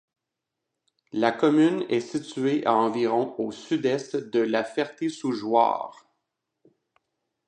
La commune est située à environ au sud-est de La Ferté-sous-Jouarre.